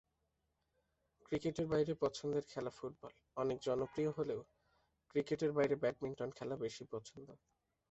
ক্রিকেটের বাইরে পছন্দের খেলাফুটবল অনেক জনপ্রিয় হলেও ক্রিকেটের বাইরে ব্যাডমিন্টন খেলা বেশি পছন্দ।